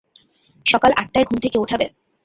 সকাল আট টায় ঘুম থেকে উঠাবে।